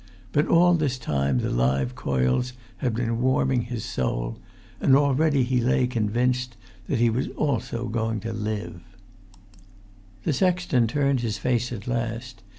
But all this time the live coals had been warming his soul. And already he lay convinced that he also was going to live. The sexton turned his face at last.